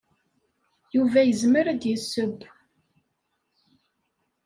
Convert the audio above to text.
Yuba yezmer ad d-yesseww.